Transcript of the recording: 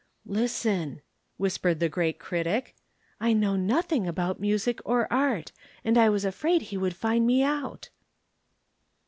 "Listen," whispered the great critic. "I know nothing about music or art, and I was afraid he would find me out."